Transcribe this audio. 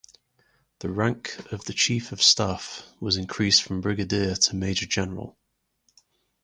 The rank of the Chief of Staff was increased from Brigadier to Major General.